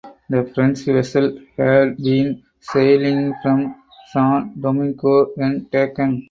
The French vessel had been sailing from San Domingo when taken.